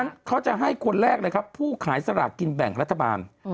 เพราะฉะนั้นเขาจะให้ควรแรกเลยครับผู้ขายสลับกินแบ่งรัฐบาล